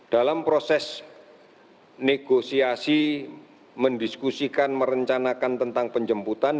dalam proses negosiasi mendiskusikan merencanakan tentang penjemputan